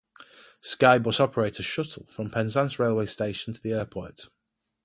Skybus operate a shuttle bus from Penzance railway station to the airport.